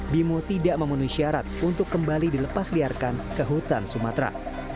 bimo tidak memenuhi syarat untuk kembali dilepas liarkan ke hutan sumatera